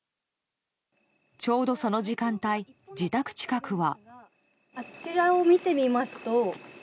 ちょうどその時間帯自宅近くは。